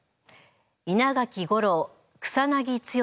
稲垣吾郎草剛